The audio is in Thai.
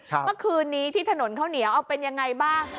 เมื่อคืนนี้ที่ถนนข้าวเหนียวเอาเป็นยังไงบ้าง